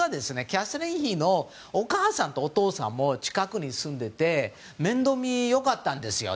キャサリン妃のお母さんとお父さんも近くに住んでいて面倒見が良かったんですよ。